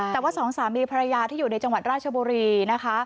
แต่ว่าสองสามีภรรยาที่อยู่ในจังหวัดราชบุรีนะคะ